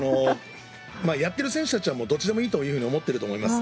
やっている選手たちはどっちでもいいと思っていると思います。